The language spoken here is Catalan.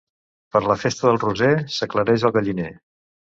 Per la festa del Roser s'aclareix el galliner.